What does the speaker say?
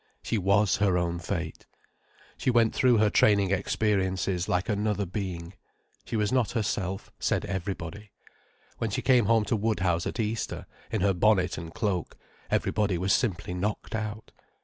She was her own fate. She went through her training experiences like another being. She was not herself, said Everybody. When she came home to Woodhouse at Easter, in her bonnet and cloak, everybody was simply knocked out.